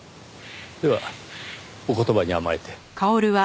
ではお言葉に甘えて。